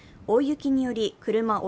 大雪により車